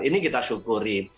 ini kita syukuri